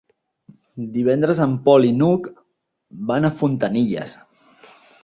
Divendres en Pol i n'Hug van a Fontanilles.